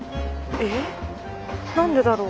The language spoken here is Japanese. えっ何だろう？